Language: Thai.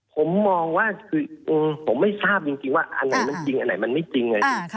ผมมองว่าคือผมไม่ทราบจริงว่าอันไหนมันจริงอันไหนมันไม่จริงไง